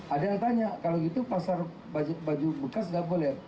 ada yang tanya kalau gitu pasar baju bekas nggak boleh